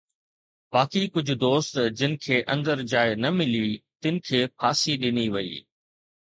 باقي ڪجهه دوست جن کي اندر جاءِ نه ملي، تن کي ڦاسي ڏني وئي.